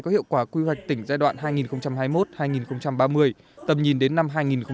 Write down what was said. có hiệu quả quy hoạch tỉnh giai đoạn hai nghìn hai mươi một hai nghìn ba mươi tầm nhìn đến năm hai nghìn năm mươi